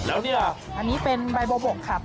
แล้วเนี่ยอันนี้เป็นใบบัวบกครับ